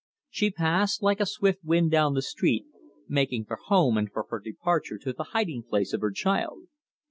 She passed like a swift wind down the street, making for home and for her departure to the hiding place of her child.